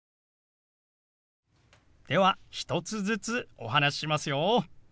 では１つずつお話ししますよ。